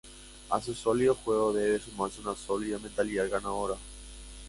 A su sólido juego debe sumarse una sólida mentalidad ganadora.